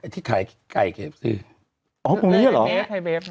ที่ขายไก่แก่ยืบซึออ๋อตรงนี้เหรอไทยเบ๊บ